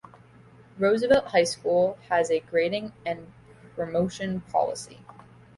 Roosevelt High School has a grading and promotion policy.